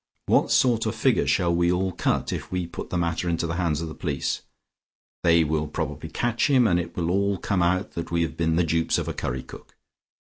What sort of figure shall we all cut if we put the matter into the hands of the police? They will probably catch him, and it will all come out that we have been the dupes of a curry cook.